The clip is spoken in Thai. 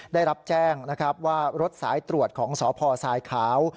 ได้รับแจ้งนะครับว่ารถสายตรวจของสพทรายขาว